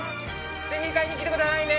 ぜひ買いに来てくださいね。